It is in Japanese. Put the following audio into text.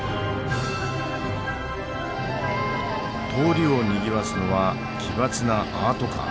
通りをにぎわすのは奇抜な「アート・カー」。